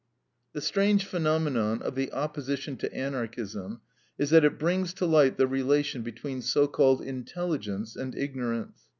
The strange phenomenon of the opposition to Anarchism is that it brings to light the relation between so called intelligence and ignorance.